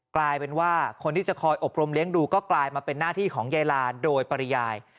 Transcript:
กลายเป็นว่าคนที่จะคอยอบรมเลี้ยงดูก็กลายมาเป็นหน้าที่ของยายลาโดยปริยาย